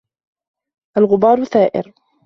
الْغُبَارُ ثَائِرٌ.